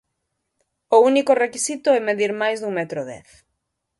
O único requisito é medir máis dun metro dez.